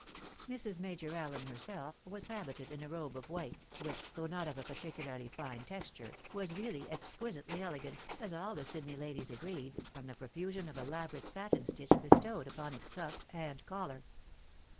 Mrs. Major Allen herself was habited in a robe of white, which, though not of a particularly fine texture, was really exquisitely elegant, as all the Sydney ladies agreed, from the profusion of elaborate satiu stitch bestowed upon its cuffs and collar.